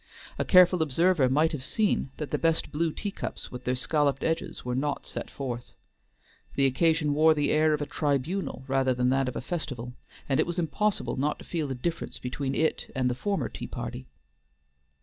A careful observer might have seen that the best blue teacups with their scalloped edges were not set forth. The occasion wore the air of a tribunal rather than that of a festival, and it was impossible not to feel a difference between it and the former tea party.